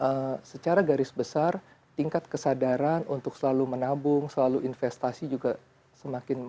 karena secara garis besar tingkat kesadaran untuk selalu menabung selalu investasi juga semakin membaik